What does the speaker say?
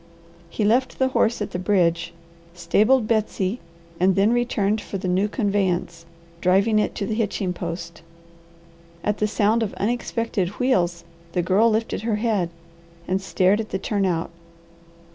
He left the horse at the bridge, stabled Betsy, and then returned for the new conveyance, driving it to the hitching post. At the sound of unexpected wheels the Girl lifted her head and stared at the turnout.